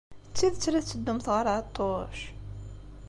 D tidet la tetteddumt ɣer Ɛeṭṭuc?